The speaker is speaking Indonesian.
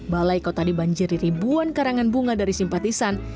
balai kota dibanjiri ribuan karangan bunga dari simpatisan